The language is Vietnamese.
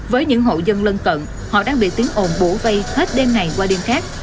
với những hộ dân lân cận họ đang bị tiếng ồn bổ vây hết đêm này qua đêm khác